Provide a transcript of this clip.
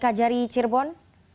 kak jari cirbon